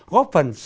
góp phần sáng tạo